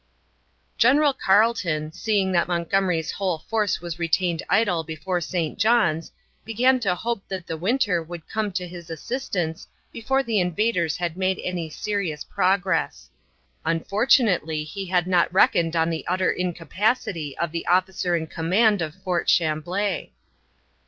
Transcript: General Carleton, seeing that Montgomery's whole force was retained idle before St. John's, began to hope that the winter would come to his assistance before the invaders had made any serious progress. Unfortunately he had not reckoned on the utter incapacity of the officer in command of Fort Chamblée.